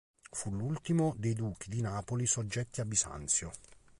Fu l'ultimo dei duchi di Napoli soggetti a Bisanzio